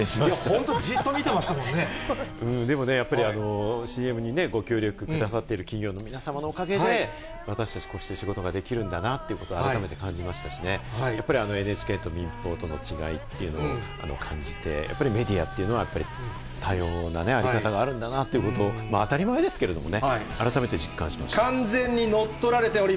本当、じっと見てましたもんでもね、やっぱりＣＭにご協力くださっている企業の皆様のおかげで、私たちこうして仕事ができるんだなということを改めて感じましたしね、やっぱりＮＨＫと民放との違いっていうのを感じて、やっぱりメディアというのは、やっぱり多様なね、在り方があるんだなということを、当たり前ですけれどもね、改めて実感しました。